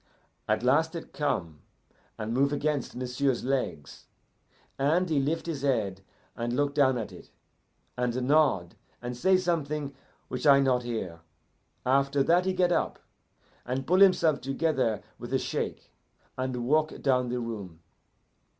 At last it come and move against m'sieu's legs, and he lift his head and look down at it, and nod, and say something which I not hear. After that he get up, and pull himself together with a shake, and walk down the room.